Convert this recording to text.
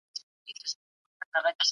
عدالت باید د ژبې او نژاد په اساس نه وي.